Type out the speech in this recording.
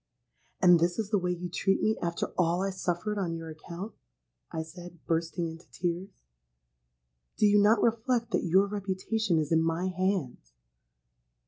'—'And is this the way you treat me after all I suffered on your account?' I said, bursting into tears. 'Do you not reflect that your reputation is in my hands?'